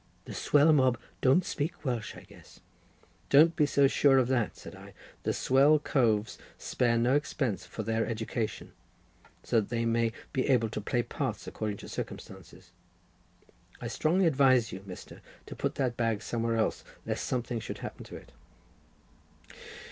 "The swell mob don't speak Welsh, I guess." "Don't be too sure of that," said I—"the swell coves spare no expense for their education—so that they may be able to play parts according to circumstances. I strongly advise you, Mr., to put that bag somewhere else, lest something should happen to it."